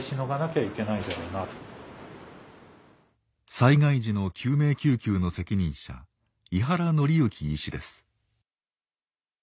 災害時の救命救急の責任者井原則之医師です。